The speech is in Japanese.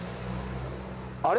あれ？